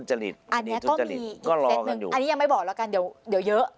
อันนี้ก็มีอีกเซตหนึ่งอันนี้ยังไม่บอกแล้วกันเดี๋ยวเยอะ